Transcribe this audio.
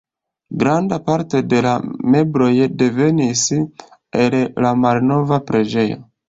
Granda parto de la mebloj devenis el la malnova preĝejo.